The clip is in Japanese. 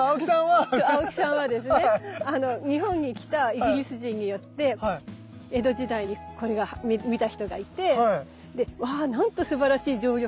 そうアオキさんはですね日本に来たイギリス人によって江戸時代にこれを見た人がいて「わなんとすばらしい常緑だ。